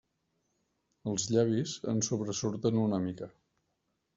Els llavis en sobresurten una mica.